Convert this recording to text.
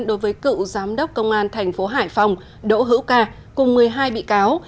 đối với cựu giám đốc công an thành phố hải phòng đỗ hữu ca cùng một mươi hai bị cáo